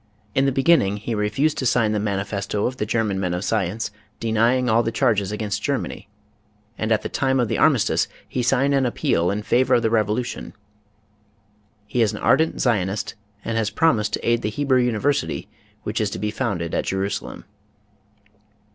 In the beginning he refused to sign the manifesto of the German men of science denying all the charges against Germany, and at the time of the armistice he signed an appeal in favor of the revolu tion. He is an ardent Zionist and has promised to aid the Hebrew university which is to be founded at Jerusalem.